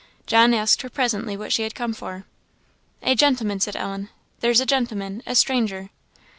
John asked her presently what she had come for. "A gentleman," said Ellen "there's a gentleman, a stranger."